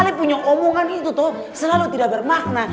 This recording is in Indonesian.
saya punya omongan itu tuh selalu tidak bermakna